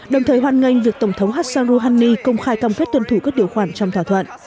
đồng thời hoan nghênh việc tổng thống hassan rouhani công khai cam kết tuân thủ các điều khoản trong thỏa thuận